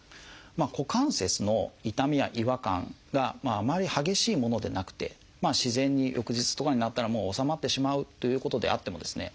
股関節の痛みや違和感があまり激しいものでなくて自然に翌日とかになったら治まってしまうということであってもですね